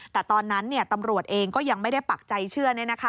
แต่ตอนนั้นตำรวจเองก็ยังไม่ได้ปักใจเชื่อ